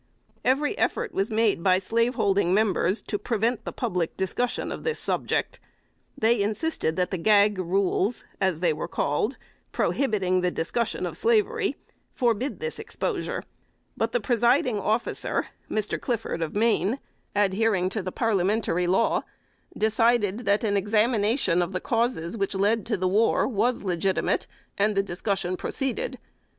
Every effort was made by slaveholding members to prevent the public discussion of this subject. They insisted that the gag rules, as they were called, prohibiting the discussion of slavery, forbid this exposure; but the presiding officer (Mr. Clifford of Maine) adhering to the parliamentary law, decided that an examination of the causes which led to the war was legitimate, and the discussion proceeded.